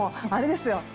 あれですよ